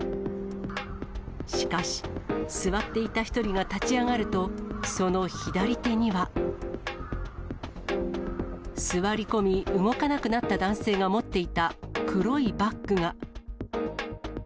しかし、座っていた１人が立ち上がると、その左手には。座り込み、動かなくなった男性が持っていた黒いバッグが。